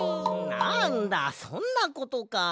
なんだそんなことか。